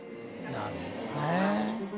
なるほどね。